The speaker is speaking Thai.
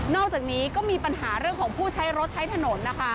อกจากนี้ก็มีปัญหาเรื่องของผู้ใช้รถใช้ถนนนะคะ